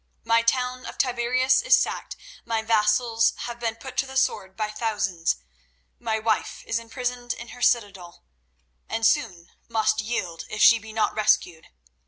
My town of Tiberias is sacked; my vassals have been put to the sword by thousands; my wife is imprisoned in her citadel, and soon must yield, if she be not rescued.